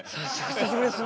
久しぶりです